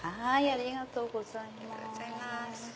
ありがとうございます。